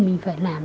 mình phải làm